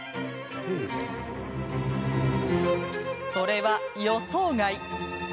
それは、予想外。